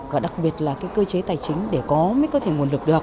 và đặc biệt là cơ chế tài chính để có mấy cơ thể nguồn lực được